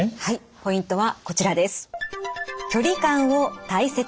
はいポイントはこちらです。